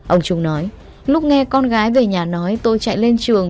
ông trung nói lúc nghe con gái về nhà nói tôi chạy lên trường